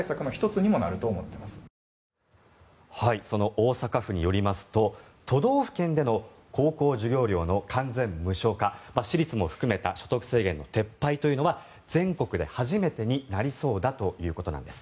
大阪府によりますと都道府県での高校授業料の完全無償化私立も含めた所得制限の撤廃というのは全国で初めてになりそうだということなんです。